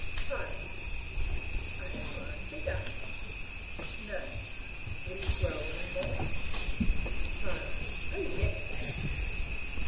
CHILD: I have grown bigger. NURSE: Will you grow any more! CHILD: Oh, yes.